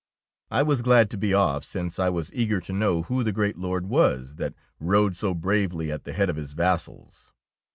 '' I was glad to be off, since I was eager to know who the great lord was that rode so bravely at the head of his vassals.